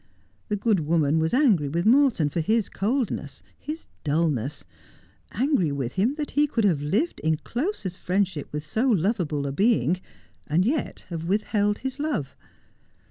The good woman was angry with Morton for his coldness, his dulness — angry with him that he could have lived in closest friendship with so lovable a being, and yet have withheld his love.